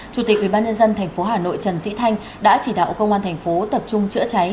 chủ tịch ubnd tp hà nội trần sĩ thanh đã chỉ đạo công an thành phố tập trung chữa cháy